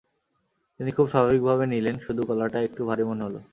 তিনি খুব স্বাভাবিক ভাবেই নিলেন, শুধু গলাটা একটু ভারী মনে হলো।